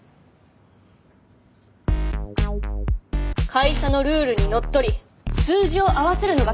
会社のルールにのっとり数字を合わせるのが経理の仕事です。